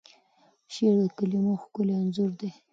شعر د کلیمو ښکلی انځور دی.